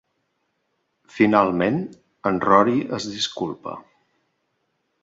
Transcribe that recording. Finalment, en Rory es disculpa.